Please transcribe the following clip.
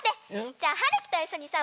じゃはるきといっしょにさ